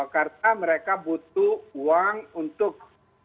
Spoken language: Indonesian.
karena mereka butuh uang untuk